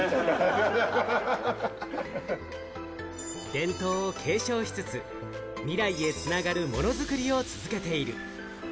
伝統を継承しつつ、未来へ繋がるものづくりを続けている。